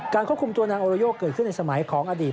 ควบคุมตัวนางโอโรโยเกิดขึ้นในสมัยของอดีต